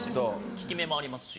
利き目もありますし。